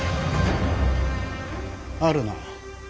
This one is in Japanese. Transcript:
あるな。